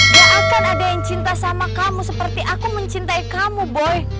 gak akan ada yang cinta sama kamu seperti aku mencintai kamu boy